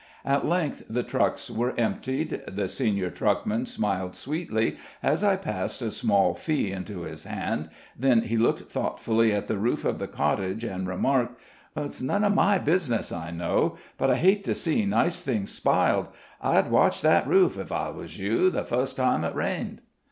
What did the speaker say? At length the trucks were emptied; the senior truckman smiled sweetly as I passed a small fee into his hand then he looked thoughtfully at the roof of the cottage, and remarked: "It's none of my business, I know; but I hate to see nice things spiled. I'd watch that roof, ef I was you, the fust time it rained."